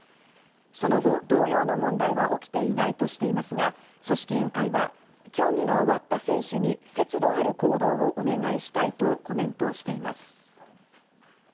その後、同様の問題は起きていないとしていますが、組織委員会は、競技が終わった選手に節度ある行動をお願いしたいとコメントしています。